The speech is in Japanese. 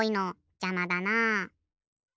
じゃまだな。